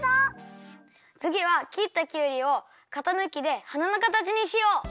つぎはきったきゅうりをかたぬきではなのかたちにしよう！